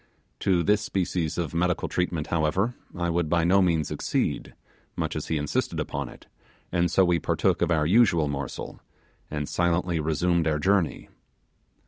To this species of medical treatment, however, I would by no means accede, much as he insisted upon it; and so we partook of our usual morsel, and silently resumed our journey.